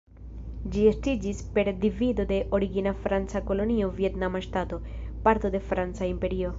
Ĝi estiĝis per divido de origina franca kolonio Vjetnama ŝtato, parto de franca imperio.